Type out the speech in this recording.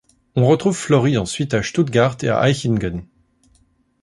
On retrouve Flori ensuite à Stuttgart et à Hechingen.